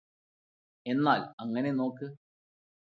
എന്നാല് അങ്ങനെ നോക്ക്